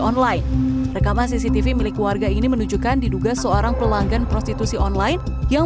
online rekaman cctv milik warga ini menunjukkan diduga seorang pelanggan prostitusi online yang